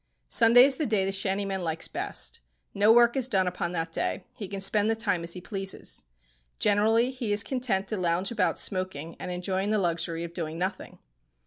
Sunday is the day the shantyman likes best. No work is done upon that day. He can spend the time as he pleases. Generally he is content to lounge about smoking, and enjoying the luxury of doing nothing.